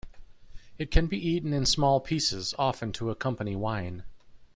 It can be eaten in small pieces, often to accompany wine.